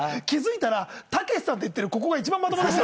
気付いたら「たけしさん」って言ってるここが一番まとも。